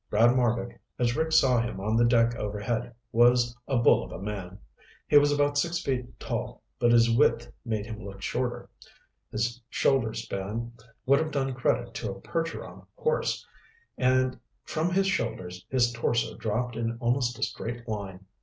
Brad Marbek, as Rick saw him on the deck overhead, was a bull of a man. He was about six feet tall, but his width made him look shorter. His shoulder span would have done credit to a Percheron horse, and from his shoulders his torso dropped in almost a straight line.